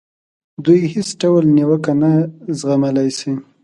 دوی هېڅ ډول نیوکه نه زغملای شي.